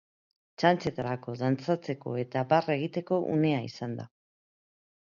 Txantxetarako, dantzatzeko eta barre egiteko unea izan da.